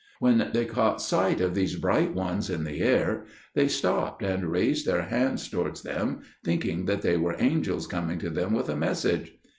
When they caught sight of these bright ones in the air, they stopped and raised their hands towards them, thinking that they were angels coming to them with a message.